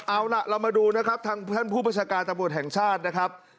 เอาล่ะเรามาดูนะครับทางท่านผู้ประชาการตำรวจแห่งชาตินะครับ